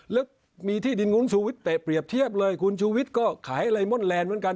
แล้วมีที่ดินคุณชูวิทยเตะเปรียบเทียบเลยคุณชูวิทย์ก็ขายไลมอนแลนด์เหมือนกัน